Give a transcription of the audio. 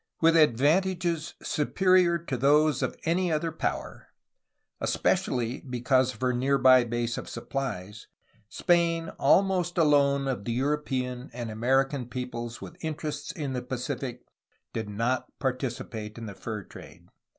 "With advantages superior to those of any other power, especially because of her near by base of supplies, Spain al most alone of the European and American peoples with in terests in the Pacific did not participate in the fur trade.